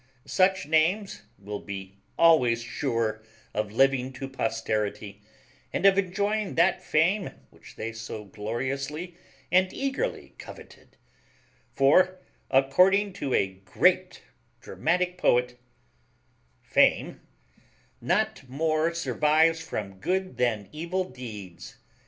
Such names will be always sure of living to posterity, and of enjoying that fame which they so gloriously and eagerly coveted; for, according to a GREAT dramatic poet Fame Not more survives from good than evil deeds.